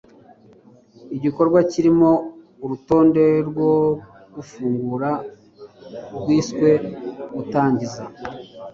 Igikorwa kirimo urutonde rwo gufungura rwiswe "Gutangiza"